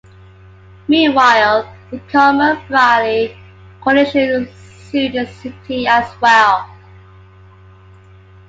Meanwhile, the Carmel Valley Coalition sued the city as well.